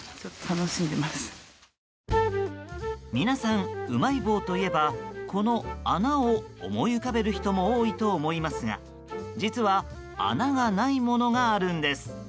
皆さん、うまい棒といえばこの穴を思い浮かべる人も多いと思いますが実は穴がないものがあるんです。